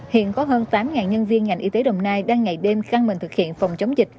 hiện có hơn tám nhân viên ngành y tế đồng nai đang ngày đêm căng mình thực hiện phòng chống dịch